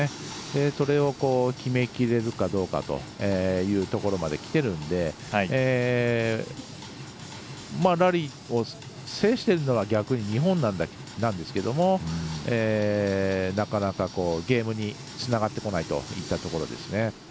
それを決めきれるかどうかというところまできているのでラリーを制しているのは逆に日本なんですけどもなかなか、ゲームにつながってこないといったところです。